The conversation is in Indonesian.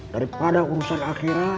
daripada urusan akhirat